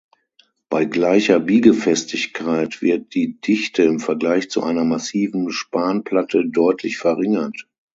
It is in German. Bei gleicher Biegefestigkeit wird die Dichte im Vergleich zu einer massiven Spanplatte deutlich verringert.